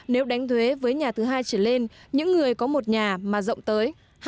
nếu đánh thuế với nhà thứ hai trở lên những người có một nhà mà rộng tới